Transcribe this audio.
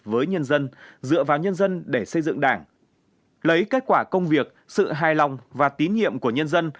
với nhân dân dựa vào nhân dân để xây dựng đảng lấy kết quả công việc sự hài lòng và tín nhiệm của nhân dân